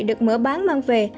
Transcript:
được mở bán mang về